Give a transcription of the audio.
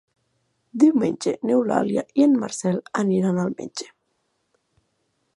Diumenge n'Eulàlia i en Marcel aniran al metge.